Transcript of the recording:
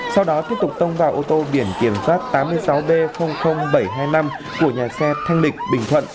sau đó tiếp tục tông vào ô tô biển kiểm soát tám mươi sáu b bảy trăm hai mươi năm của nhà xe thanh lịch bình thuận